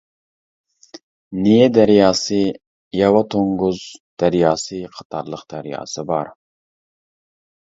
نىيە دەرياسى، ياۋا توڭگۇز دەرياسى قاتارلىق دەرياسى بار.